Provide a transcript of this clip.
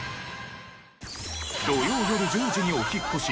土曜よる１０時にお引っ越し！